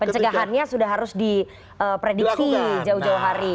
pencegahannya sudah harus diprediksi jauh jauh hari